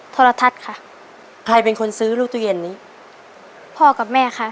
โทรทัศน์ค่ะใครเป็นคนซื้อลูกตู้เย็นนี้พ่อกับแม่ค่ะ